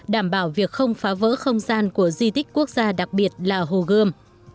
đảm bảo việc không phá vỡ không gian của di tích quốc gia đặc biệt là hồ gươm